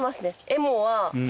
「エモ」は。